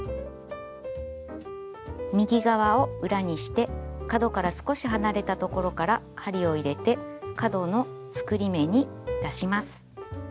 右側を裏にして角から少し離れたところから針を入れて角の作り目に出します。